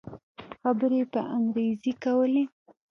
خبرې يې په انګريزي کولې.